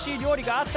あった！